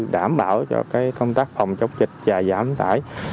đảm bảo cho công tác phòng chống dịch và giảm tải